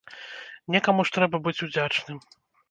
Некаму ж трэба быць удзячным.